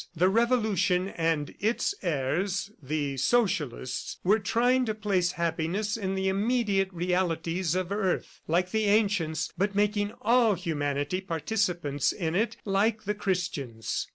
The Revolution and its heirs, the Socialists, were trying to place happiness in the immediate realities of earth, like the ancients, but making all humanity participants in it like the Christians.